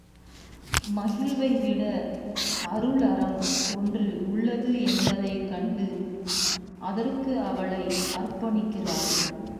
மகிழ்வைவிட அருளறம் ஒன்று உள்ளது என்பதைக் கண்டு அதற்கு அவளை அர்ப்பணிக்கிறாள்.